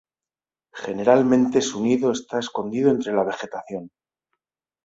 Generalmente su nido está escondido entre la vegetación.